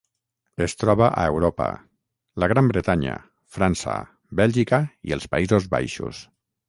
Es troba a Europa: la Gran Bretanya, França, Bèlgica i els Països Baixos.